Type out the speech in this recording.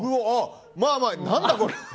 まあまあ何だこれ！